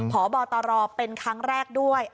พบตรเป็นครั้งแรกด้วย